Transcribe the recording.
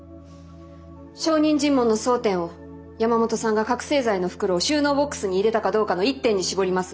証人尋問の争点を山本さんが覚醒剤の袋を収納ボックスに入れたかどうかの一点に絞ります。